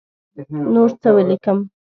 نور څه ولیکم.